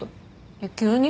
えっ急に？